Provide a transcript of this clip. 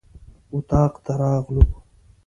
اطاق ته راغلو.